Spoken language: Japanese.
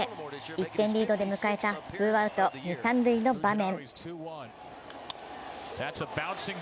１点リードで迎えたツーアウト、二・三塁の場面。